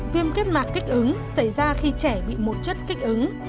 viêm kết mạc kích ứng xảy ra khi trẻ bị một chất kích ứng